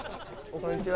こんにちは。